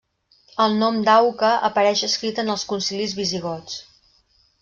El nom d'Auca apareix escrit en els concilis visigots.